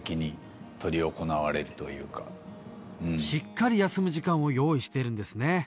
しっかり休む時間を用意してるんですね